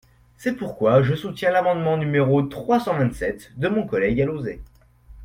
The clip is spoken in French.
C’est pourquoi je soutiens l’amendement n° trois cent vingt-sept de mon collègue Alauzet.